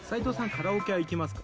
カラオケは行きますか？